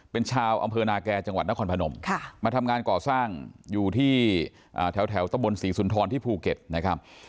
เป็นชาวอำเภอนาแก่จังหวัดนครพนมมาทำงานก่อสร้างอยู่ที่แถวตะบนศรีสุนทรที่ภูเก็ตนะครับ